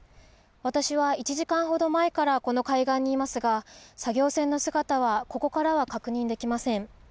私は１時間ほど前からこの海岸にいますが、作業船の姿はここからは確認できません。